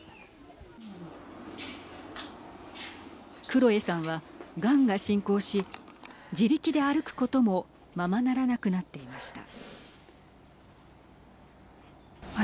クロエさんは、がんが進行し自力で歩くこともままならなくなっていました。